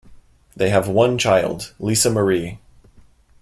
They have one child, Lisa Marie.